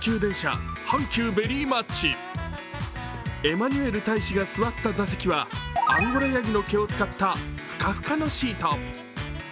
エマニュエル大使が座った座席はアンゴラヤギの毛を使った、ふかふかのシート。